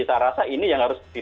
saya rasa ini yang harus